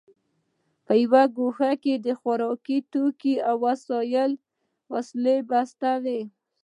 په یوه ګوښه کې د خوراکي توکو او وسلو بستې وې